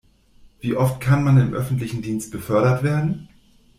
Wie oft kann man im öffentlichen Dienst befördert werden?